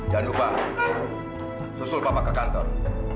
jangan lupa susul bapak ke kantor